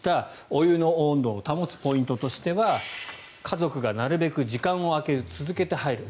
お湯の温度を保つポイントとしては家族がなるべく時間を空けず続けて入る。